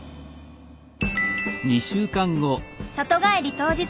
里帰り当日。